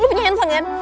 lu punya handphone kan